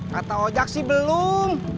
kata ojak sih belum